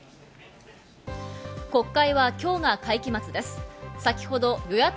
国会は今日が会期末です。